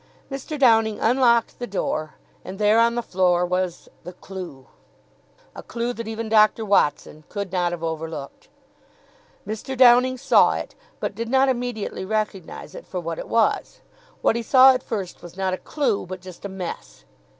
Mr. Downing unlocked the door, and there on the floor was the Clue! A clue that even Dr. Watson could not have overlooked. Mr. Downing saw it, but did not immediately recognise it for what it was. What he saw at first was not a Clue, but just a mess.